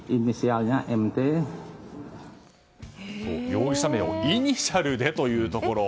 容疑者名をイニシャルでというところ。